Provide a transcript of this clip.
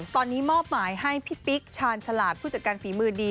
ตอนนี้มอบหมายให้พี่ปิ๊กชาญฉลาดผู้จัดการฝีมือดี